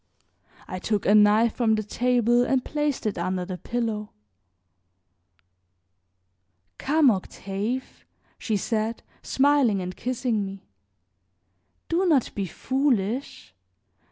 I took a knife from the table and placed it under the pillow. "Come, Octave," she said, smiling and kissing me, "do not be foolish.